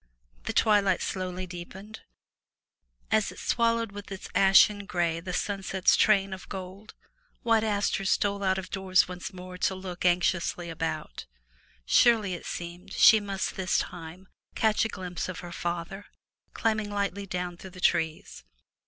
The twilight slowly deepened. As it swallowed with its ashen 373 MY BOOK HOUSE gray the sunset's train of gold, White Aster stole out of doors once more to look anxiously about. Surely, it seemed, she must this time catch a glimpse of her father, climbing lightly down through the trees.